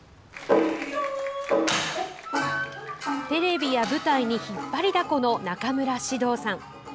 テレビや舞台に引っ張りだこの中村獅童さん。